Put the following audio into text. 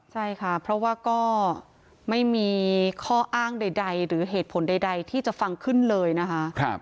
ใช่ค่ะเพราะว่าก็ไม่มีข้ออ้างใดหรือเหตุผลใดที่จะฟังขึ้นเลยนะคะ